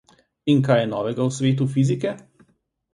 In kaj je novega v svetu fizike?